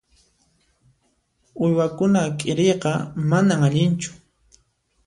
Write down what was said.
Uywakuna k'iriyqa manan allinchu.